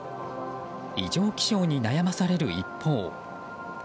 異常気象に悩まされる一方。